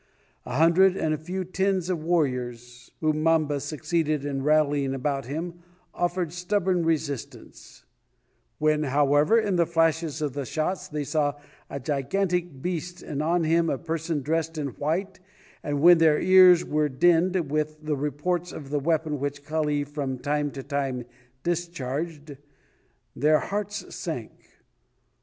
A hundred and a few tens of warriors, whom Mamba succeeded in rallying about him, offered stubborn resistance; when, however, in the flashes of the shots, they saw a gigantic beast and on him a person dressed in white, and when their ears were dinned with the reports of the weapon which Kali from time to time discharged, their hearts sank.